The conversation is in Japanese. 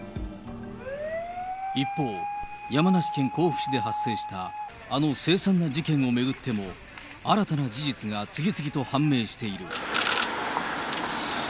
一方、山梨県甲府市で発生したあの凄惨な事件を巡っても、新たな事実が次々と判明している。